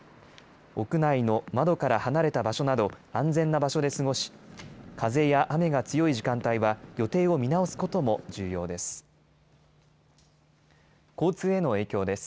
屋内の窓から離れた場所など安全な場所で過ごし、風や雨が強い時間帯は予定を見直すことも重要です。